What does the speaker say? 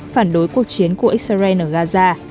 phản đối cuộc chiến của israel ở gaza